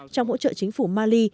trong hỗ trợ chính phủ mali